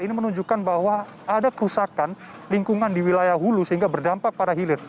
ini menunjukkan bahwa ada kerusakan lingkungan di wilayah hulu sehingga berdampak pada hilir